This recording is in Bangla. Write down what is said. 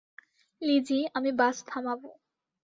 লিজি আমি বাস থামাবো।